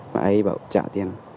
bà ấy bảo trả tiền